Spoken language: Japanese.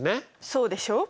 そうでしょう。